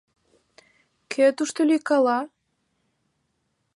Кӧ тушто лӱйкала?